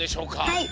はい。